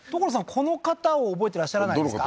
この方を覚えてらっしゃらないですか？